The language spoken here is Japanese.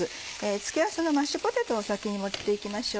付け合わせのマッシュポテトを先に盛って行きましょう。